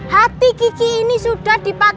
hati kiki ini sudah dipakai